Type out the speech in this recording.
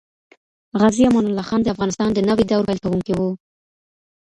غازي امان الله خان د افغانستان د نوي دور پیل کوونکی وو.